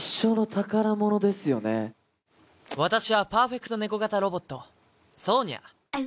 私はパーフェクトネコ型ロボットソーニャ。